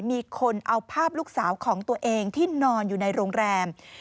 มีคนเอาภาพลูกสาวของตัวเองที่นอนอยู่ในโรงแรม